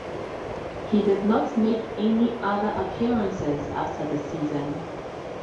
He did not make any other appearances after the season.